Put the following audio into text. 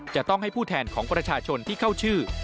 จะต้องให้ผู้แทนของประชาชนที่เข้าชื่อ